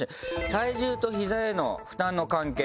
体重とヒザへの負担の関係。